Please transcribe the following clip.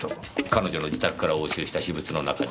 彼女の自宅から押収した私物の中には？